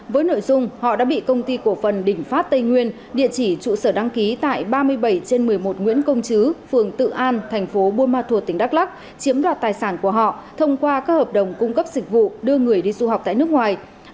với nội dung họ đã bị công ty cổ phần đỉnh phát tây nguyên địa chỉ trụ sở đăng ký tại ba mươi bảy trên một mươi một nguyễn công chứ phường tự an thành phố buôn ma thuột tỉnh đắk lắc chiếm đoạt tài sản của họ thông qua các hợp đồng cung cấp dịch vụ đưa người đi du học tại nước ngoài